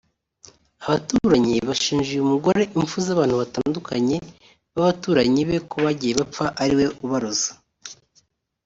Abaturage bashinja uyu mugore impfu z’abantu batandukanye babaturanyi be ko bagiye bapfa ariwe ubaroze